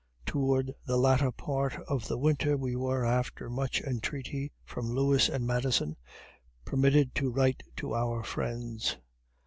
Toward the latter part of the winter we were, after much entreaty from Lewis and Madison, permitted to write to our friends.